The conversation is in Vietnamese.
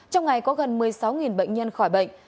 trong ngày có gần một mươi sáu bệnh nhân khỏi bệnh